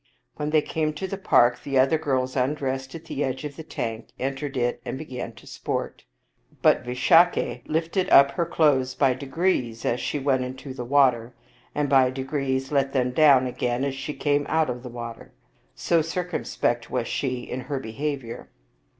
When they came to the park, the other girls undressed at the edge of the tank, en tered into it, and began to sport. But Visakha lifted up her clothes by degrees as she went into the water, and by degrees let them down again as she came out of the water, so circumspect was she in her behavior.